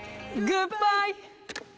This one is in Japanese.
グッバイ。